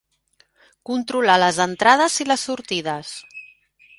Controlar les entrades i les sortides.